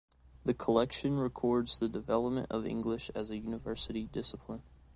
The collection records the development of English as a university discipline.